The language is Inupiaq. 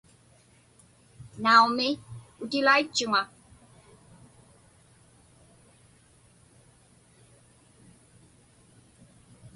Naumi, utilaitchuŋa.